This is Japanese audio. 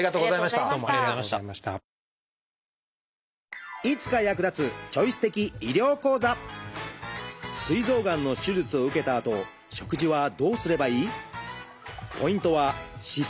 すい臓がんの手術を受けたあと食事はどうすればいい？